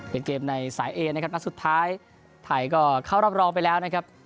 เป็นเกมในสายเอนะครับนัดสุดท้ายไทยก็เข้ารอบรองไปแล้วนะครับ